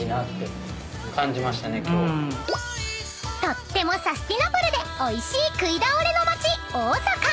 ［とってもサスティナブルでおいしい食い倒れの街大阪］